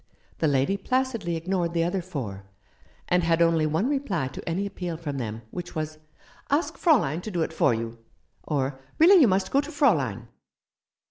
The lady placidly ignored the other four, and had only one reply to any appeal from them, which was, "Ask Fraulein to do it for you," or "Really you must go to Fraulein."